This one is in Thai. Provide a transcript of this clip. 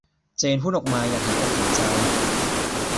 เจนพูดออกมาอย่างเห็นอกเห็นใจ